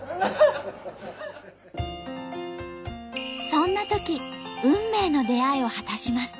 そんなとき運命の出会いを果たします。